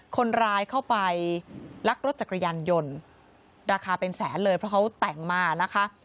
คนร้ายเข้าไปลักรถจักรยานยนต์ราคาเป็นแสนเลยเพราะเขาแต่งมานะคะ